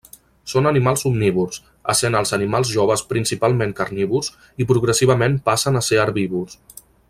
Són animals omnívors, essent els animals joves principalment carnívors i progressivament passen a ser herbívors.